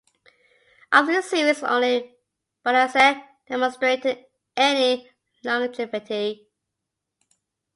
Of these series, only "Banacek" demonstrated any longevity.